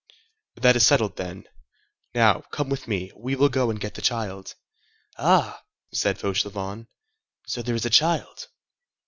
"That is settled then. Now, come with me. We will go and get the child." "Ah!" said Fauchelevent, "so there is a child?"